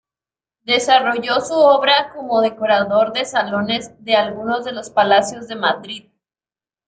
Desarrolló su obra como decorador de salones de algunos de los palacios de Madrid.